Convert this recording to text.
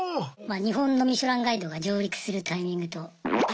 まあ日本のミシュランガイドが上陸するタイミングと一緒ですね。